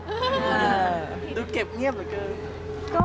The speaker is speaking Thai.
ดูเก็บเงียบเหลือเกิน